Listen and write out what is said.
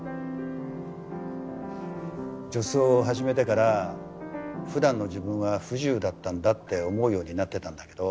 女装を始めてから普段の自分は不自由だったんだって思うようになってたんだけど。